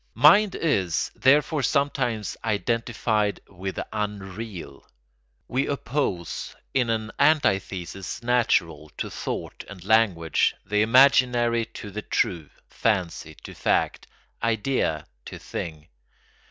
] Mind is therefore sometimes identified with the unreal. We oppose, in an antithesis natural to thought and language, the imaginary to the true, fancy to fact, idea to thing.